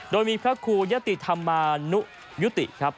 โดยมีพระครูยะติธรรมานุยุติครับ